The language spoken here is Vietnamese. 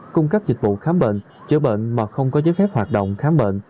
cung cấp dịch vụ khám bệnh chữa bệnh mà không có giấy phép hoạt động khám bệnh